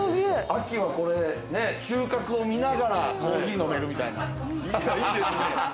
秋はこれ、収穫を見ながらコーヒー飲めるみたいな。